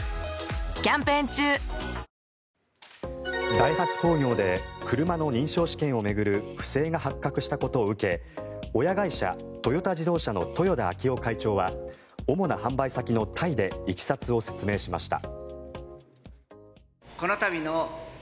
ダイハツ工業で車の認証試験を巡る不正が発覚したことを受け親会社、トヨタ自動車の豊田章男会長は主な販売先のタイでいきさつを説明しました。